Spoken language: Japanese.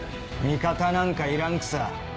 味方なんかいらんくさ。